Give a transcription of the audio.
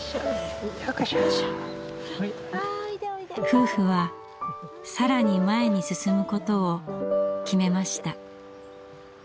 夫婦は更に前に進むことを決めました。